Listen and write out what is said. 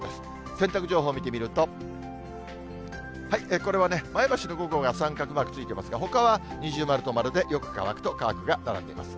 洗濯情報見てみると、これは前橋の午後が三角マークついてますが、ほかは二重丸と丸でよく乾くと乾くが並んでます。